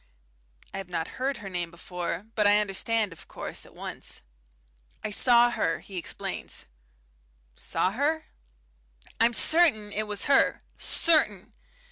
I have not heard her name before, but I understand, of course, at once. "I saw her," he explains. "Saw her?" "I'm certain it was her. Certain.